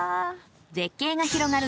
絶景が広がる